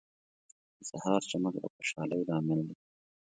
• د سهار چمک د خوشحالۍ لامل دی.